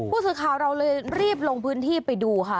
ผู้ศึกฐานเรเรียบลงที่ไปดูค่ะ